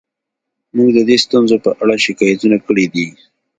موږ د دې ستونزو په اړه شکایتونه کړي دي